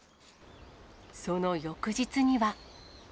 その翌日には。